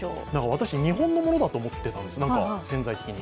私、日本のものだと思ってたんです、潜在的に。